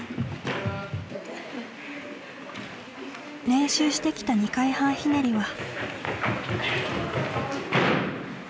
練習してきた２回半ひねりは。